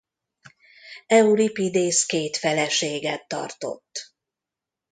Euripidész két feleséget tartott.